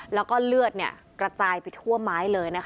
และเลือดกระจายทั่วไม้เลย